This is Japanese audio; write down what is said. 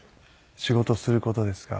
仕事する事ですか？